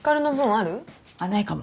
あっないかも。